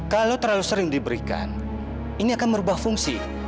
kalau terlalu sering diberikan ini akan merubah fungsi